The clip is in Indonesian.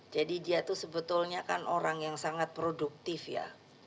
jadi dia tuh sebetulnya kan orang yang sangat produktif ya